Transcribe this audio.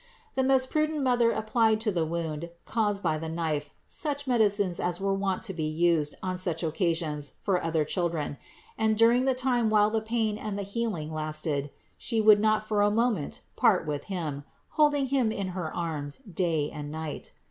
The most prudent Mother ap plied to the wound caused by the knife such medicines as were wont to be used on such occasions for other children, and during the time while the pain and the healing lasted She would not for a moment part with Him, holding Him in her arms day and night.